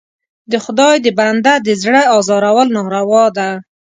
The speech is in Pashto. د خدای د بنده د زړه ازارول ناروا ده.